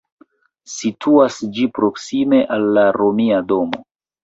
Situas ĝi proksime al la Romia domo.